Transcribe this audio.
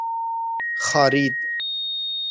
خارید